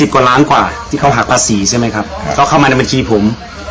กว่าล้านกว่าที่เขาหักภาษีใช่ไหมครับเขาเข้ามาในบัญชีผม